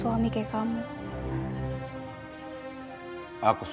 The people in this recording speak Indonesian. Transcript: tetap lebih lembon